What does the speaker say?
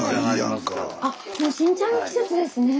あっもう新茶の季節ですねえ。